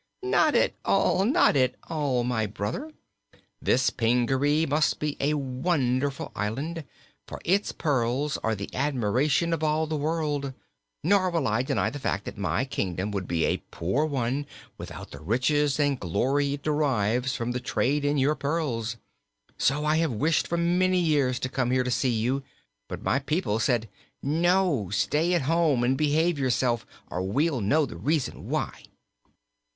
"Not at all not at all, my brother. This Pingaree must be a wonderful island, for its pearls are the admiration of all the world; nor will I deny the fact that my kingdom would be a poor one without the riches and glory it derives from the trade in your pearls. So I have wished for many years to come here to see you, but my people said: 'No! Stay at home and behave yourself, or we'll know the reason why.'"